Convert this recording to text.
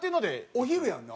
お昼やんな？